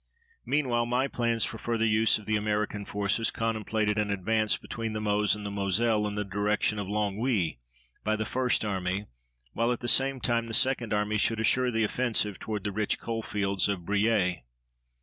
Meanwhile, my plans for further use of the American forces contemplated an advance between the Meuse and the Moselle in the direction of Longwy by the First Army, while, at the same time, the Second Army should assure the offensive toward the rich coal fields of Briey.